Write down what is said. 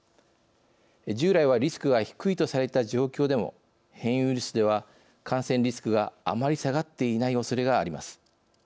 従来はリスクが低いとされた状況でも変異ウイルスでは感染リスクがあまり下がっていないおそれがあります。